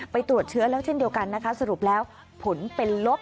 ตรวจเชื้อแล้วเช่นเดียวกันนะคะสรุปแล้วผลเป็นลบ